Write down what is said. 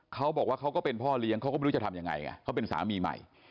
เขาก็เป็นพ่อเลี้ยงเขาก็ไม่รู้จะทำยังไงไงเขาเป็นสามีใหม่